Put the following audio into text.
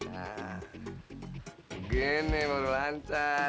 begini baru lancar